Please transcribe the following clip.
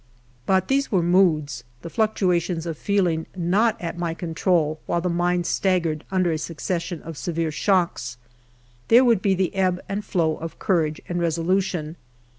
But these were moods, the fluctuations of feeling not at my control while the mind staggered under a succession of severe shocks.. There would be the ebb and flow of courage and resolution.